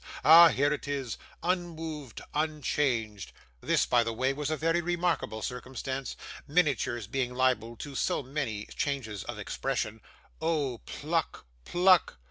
Ah! here it is. Unmoved, unchanged!' This, by the way, was a very remarkable circumstance, miniatures being liable to so many changes of expression 'Oh, Pluck! Pluck!